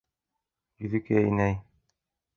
— Йөҙөкәй инәй...